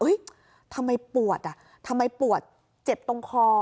ทำไมปวดอ่ะทำไมปวดเจ็บตรงคอ